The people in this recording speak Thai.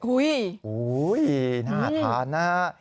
อุ๊ยน่าทานนะฮะ